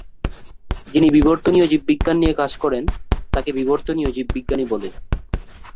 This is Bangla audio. যিনি বিবর্তনীয় জীববিজ্ঞান নিয়ে কাজ করেন, তাকে বিবর্তনীয় জীববিজ্ঞানী বলে।